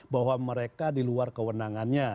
bahwa mereka diluar kewenangannya